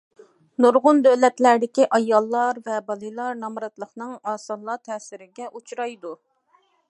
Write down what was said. نۇرغۇن دۆلەتلەردىكى ئاياللار ۋە بالىلار نامراتلىقنىڭ ئاسانلا تەسىرىگە ئۇچرايدۇ.